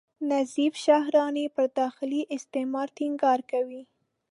نظیف شهراني پر داخلي استعمار ټینګار کوي.